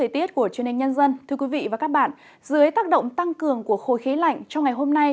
thưa quý vị và các bạn dưới tác động tăng cường của khối khí lạnh trong ngày hôm nay